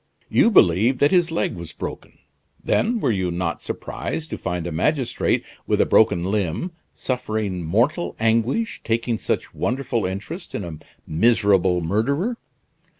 You believed that his leg was broken. Then were you not surprised to find a magistrate, with a broken limb, suffering mortal anguish, taking such wonderful interest in a miserable murderer?